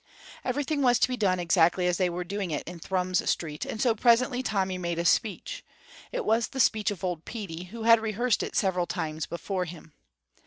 Everything was to be done exactly as they were doing it in Thrums Street, and so presently Tommy made a speech; it was the speech of old Petey, who had rehearsed it several times before him.